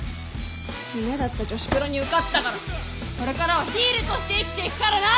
夢だった女子プロに受かったからこれからはヒールとして生きていくからな！